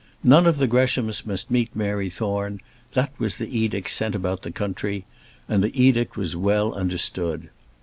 None of the Greshams must meet Mary Thorne; that was the edict sent about the country; and the edict was well understood.